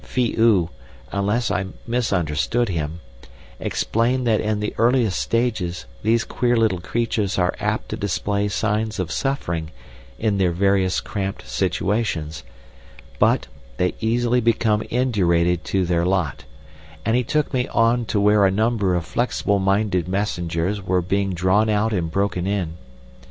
Phi oo, unless I misunderstood him, explained that in the earlier stages these queer little creatures are apt to display signs of suffering in their various cramped situations, but they easily become indurated to their lot; and he took me on to where a number of flexible minded messengers were being drawn out and broken in.